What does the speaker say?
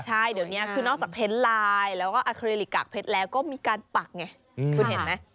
ใช่เดี๋ยวนี้คือนอกจากเพ้นลายแล้วก็อาเครลิกกากเพชรแล้วก็มีการปักไงคุณเห็นไหม